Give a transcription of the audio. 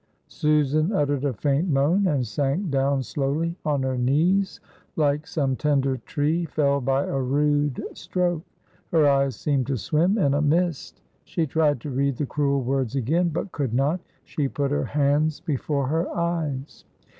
Susan uttered a faint moan, and sank down slowly on her knees, like some tender tree felled by a rude stroke; her eyes seemed to swim in a mist, she tried to read the cruel words again but could not; she put her hands before her eyes.